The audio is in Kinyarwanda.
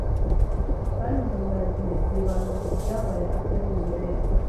kandi mu ndagihe(byibanda ku byabaye atari imimerere